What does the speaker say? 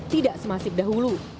tidak semasib dahulu